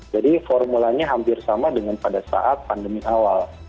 jadi formulanya hampir sama dengan pada saat pandemi awal